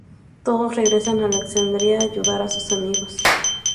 Todos regresan a Alexandria a ayudar a sus amigos.